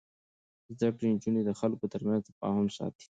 زده کړې نجونې د خلکو ترمنځ تفاهم ساتي.